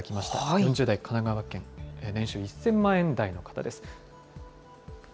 ４０代、神奈川県、年収１０００万円台の方です。